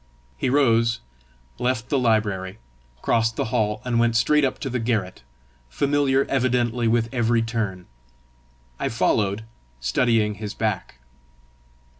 He rose, left the library, crossed the hall, and went straight up to the garret, familiar evidently with every turn. I followed, studying his back.